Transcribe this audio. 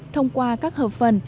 thông qua các hợp phần